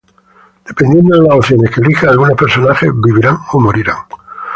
Dependiendo de las opciones que elija, algunos personajes vivirán o morirán.